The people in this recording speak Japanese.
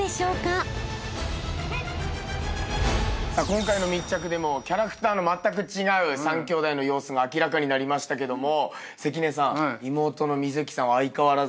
今回の密着でもキャラクターのまったく違う３きょうだいの様子が明らかになりましたけども関根さん妹の美月さんは相変わらず負けず嫌いでしたね。